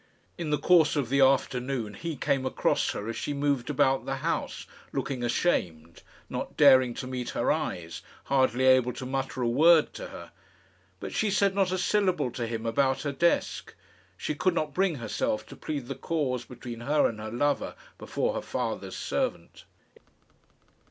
In the course of the afternoon he came across her as she moved about the house, looking ashamed, not daring to meet her eyes, hardly able to mutter a word to her. But she said not a syllable to him about her desk. She could not bring herself to plead the cause between her and her lover before her father's servant.